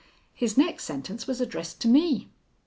His next sentence was addressed to me.